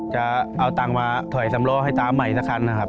จะเอาตังค์มาถ่อยสำโลกให้ตาใหม่สักครั้งค่ะ